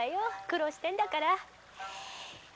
苦労してんだから。